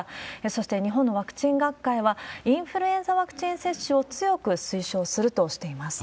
そして日本のワクチン学会は、インフルエンザワクチン接種を強く推奨するとしています。